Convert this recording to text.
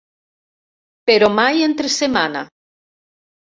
Però mai entre setmana.